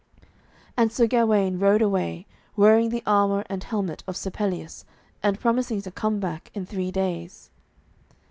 And Sir Gawaine rode away, wearing the armour and helmet of Sir Pelleas, and promising to come back in three days.